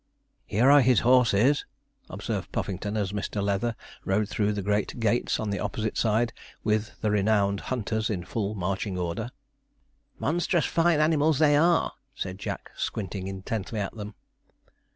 'Here are his horses,' observed Puffington, as Mr. Leather rode through the great gates on the opposite side, with the renowned hunters in full marching order. 'Monstrous fine animals they are,' said Jack, squinting intently at them.